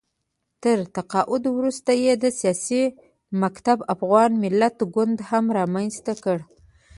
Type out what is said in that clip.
تر تقاعد وروسته یې د سیاسي مکتب افغان ملت ګوند هم رامنځته کړ